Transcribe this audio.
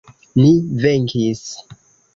Ni venkis!